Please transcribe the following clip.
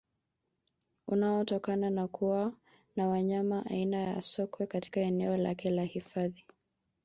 Unaotokana na kuwa na wanyama aina ya Sokwe katika eneo lake la hifadhi